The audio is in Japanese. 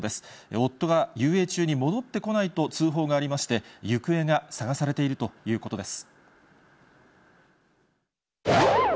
夫が遊泳中に戻ってこないと通報がありまして、行方が捜されているということです。